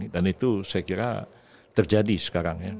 dan itu saya kira terjadi sekarang ya